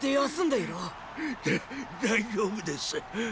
だ大丈夫です！